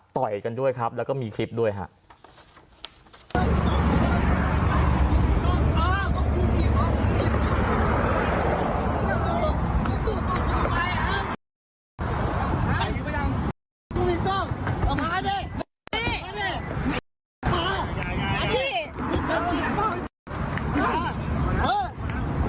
ต่อยกันด้วยครับแล้วก็มีคลิปด้วยครับ